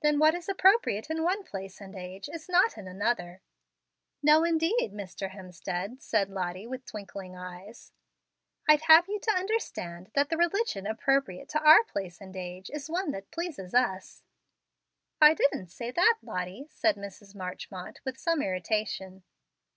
Then what is appropriate in one place and age is not in another." "No, indeed, Mr. Hemstead," said Lottie, with twinkling eyes. "I'd have you to understand that the religion appropriate to our place and age is one that pleases us." "I didn't say that, Lottie," said Mrs. Marchmont, with some irritation.